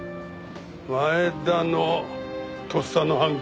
前田のとっさの犯行。